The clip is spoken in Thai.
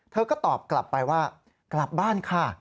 เธอก็ตอบกลับไปว่ากลับบ้านค่ะ